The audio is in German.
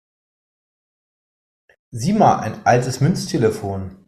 Sieh mal, ein altes Münztelefon!